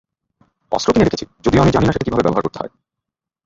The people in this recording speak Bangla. অস্ত্র কিনে রেখেছি, যদিও আমি জানি না সেটা কিভাবে ব্যবহার করতে হয়।